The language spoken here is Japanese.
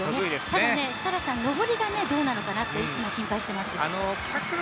ただ上りがどうなのかなといつも心配してます